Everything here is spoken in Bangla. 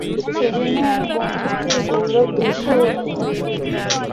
সেইজন্যই আমি বন্ধুত্বের গৌরব বেশি অনুভব করি।